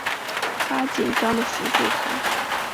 她紧张的扶住她